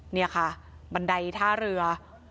นี่ค่ะบันไดท่าเรือ